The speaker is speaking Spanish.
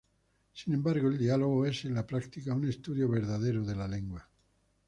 Sin embargo, el "Diálogo" es, en la práctica, un estudio verdadero de la lengua.